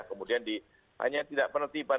kemudian hanya tidak penertiban